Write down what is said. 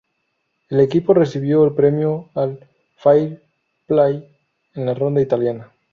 El equipo recibió el premio al "fair play" en la ronda italiana.